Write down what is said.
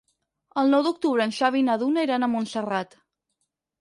El nou d'octubre en Xavi i na Duna iran a Montserrat.